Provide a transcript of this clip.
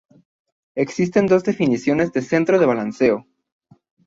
Existen dos definiciones de centro de balanceo.